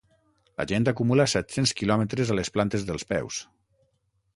La gent acumula set-cents quilòmetres a les plantes dels peus.